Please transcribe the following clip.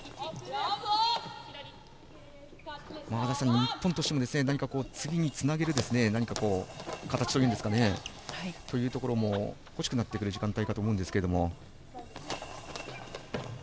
日本としても、何か次につなげる形というところも欲しくなってくる時間帯かと思うんですけれども。